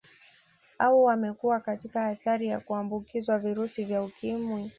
Au wamekuwa katika hatari ya kuambukizwa virusi vya Ukimwi